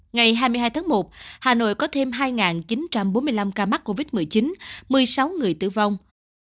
ngày hai mươi hai tháng một hà nội có thêm hai chín trăm bốn mươi năm ca mắc covid một mươi chín một mươi sáu người tử vong